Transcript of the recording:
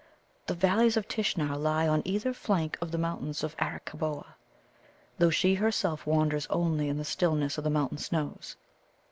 The Valleys of Tishnar lie on either flank of the Mountains of Arakkaboa, though she herself wanders only in the stillness of the mountain snows.